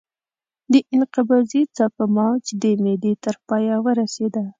د انقباضي څپه موج د معدې تر پایه ورسېده.